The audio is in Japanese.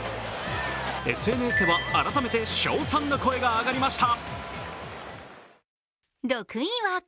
ＳＮＳでは改めて称賛の声が上がりました。